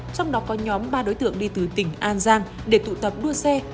trong đó có nhóm ba đối tượng đi từ tỉnh an giang để tụ tập đua xe